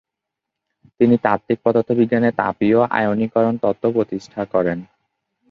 তিনি তাত্বিক পদার্থবিজ্ঞানে তাপীয় আয়নীকরণ তত্ত্ব প্রতিষ্ঠা করেন।